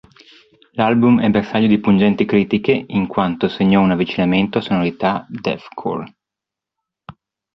L'album è bersaglio di pungenti critiche in quanto segnò un avvicinamento a sonorità deathcore.